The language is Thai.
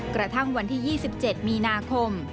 กระทั่งวันที่๒๗มีนาคม